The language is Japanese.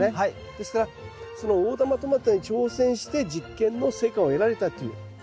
ですからその大玉トマトに挑戦して実験の成果を得られたということはですね